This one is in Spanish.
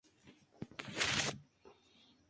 Durante su extensa actividad recolectó flora de Iron Mtn.